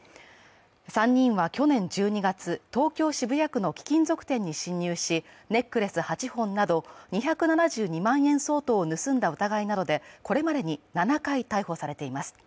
３人は去年１２月、東京・渋谷区の貴金属店に侵入し、ネックレス８本など２７２万円相当を盗んだ疑いなどで、これまでに７回逮捕されています。